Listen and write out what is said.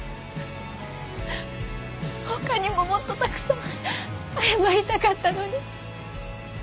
他にももっとたくさん謝りたかったのに。